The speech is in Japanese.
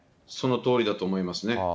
そのとおりだと思いますね。